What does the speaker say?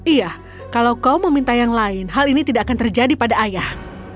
iya kalau kau meminta yang lain hal ini tidak akan terjadi pada ayah